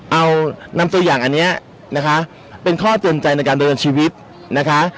เอานำตัวอย่างอันนี้นะคะเป็นข้อเตือนใจในการเดินชีวิตนะคะ